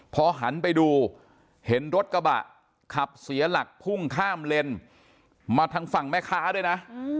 พอหันไปดูเห็นรถกระบะขับเสียหลักพุ่งข้ามเลนมาทางฝั่งแม่ค้าด้วยนะ